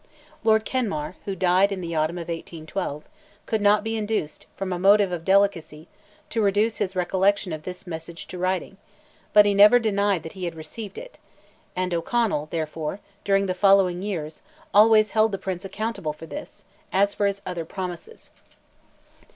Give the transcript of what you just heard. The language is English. Lord Kenmare, who died in the autumn of 1812, could not be induced, from a motive of delicacy, to reduce his recollection of this message to writing, but he never denied that he had received it, and O'Connell, therefore, during the following years, always held the Prince accountable for this, as for his other promises.